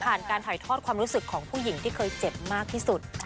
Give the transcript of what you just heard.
การถ่ายทอดความรู้สึกของผู้หญิงที่เคยเจ็บมากที่สุด